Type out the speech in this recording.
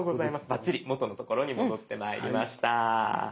バッチリ元の所に戻ってまいりました。